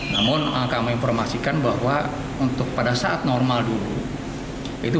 namun kami informasikan bahwa untuk pada saat normal dulu